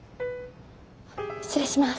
失礼します。